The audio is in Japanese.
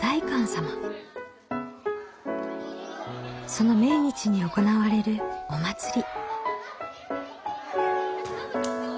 その命日に行われるお祭り。